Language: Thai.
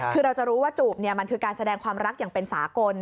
คือเราจะรู้ว่าจูบมันคือการแสดงความรักอย่างเป็นสากล